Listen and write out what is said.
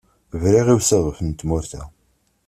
Briɣ i usaḍuf n tmurt-a.